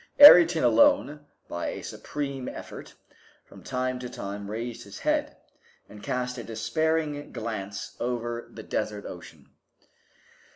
Ayrton alone, by a supreme effort, from time to time raised his head, and cast a despairing glance over the desert ocean.